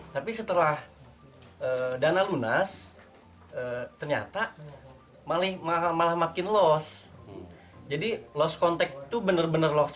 tapi setelah dana lunas ternyata malih malah makin los jadi los kontek tuh bener bener los